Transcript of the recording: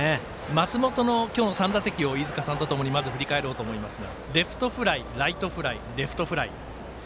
松本の３打席をまず飯塚さんと振り返ろうと思いますがレフトフライ、ライトフライレフトフライ。